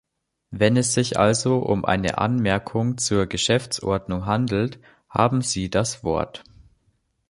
Wenn es sich also um eine Anmerkung zur Geschäftsordnung handelt, haben Sie das Wort.